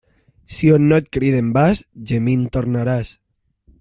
Si on no et criden vas, gemint tornaràs.